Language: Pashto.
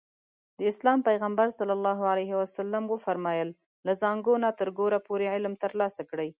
د اسلام پيغمبر ص وفرمايل له زانګو نه تر ګوره پورې علم ترلاسه کړئ.